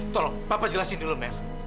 tolong papa jelasin dulu mer